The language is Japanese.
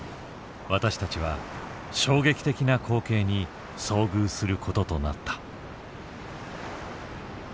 私たちは衝撃的な光景に遭遇することとなった。